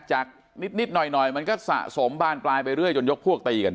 จากนิดหน่อยมันก็สะสมบานปลายไปเรื่อยจนยกพวกตีกัน